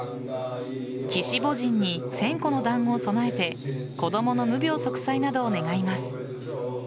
鬼子母神に１０００個の団子を備えて子供の無病息災などを願います。